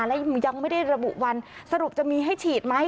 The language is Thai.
และยังไม่ได้ระบุวันสรุปจะมีให้ฉีดไหม